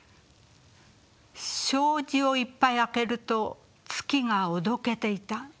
「障子をいつぱい明けると月がおどけてゐた」。